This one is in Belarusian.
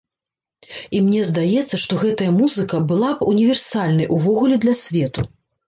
І мне здаецца, што гэтая музыка была б універсальнай увогуле для свету.